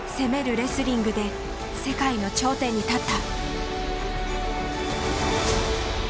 レスリングで世界の頂点に立った。